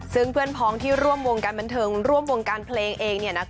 ซึ่งเพื่อนพ้องที่ร่วมวงการบันเทิงร่วมวงการเพลงเอง